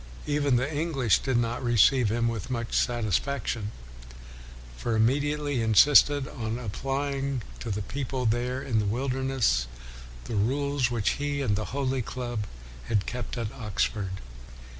Even the English did not receive him with much satisfaction, for immediately he insisted on applying to the people there 304 WESLEY in the wilderness the rules which he and the Holy Club had kept at Oxford.